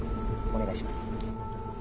お願いします。